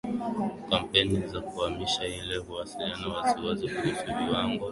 kampeni za kuhamasisha ili kuwasiliana waziwazi kuhusu viwango